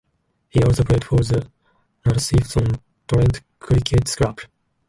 He also played for the Radcliffe on Trent Cricket Club.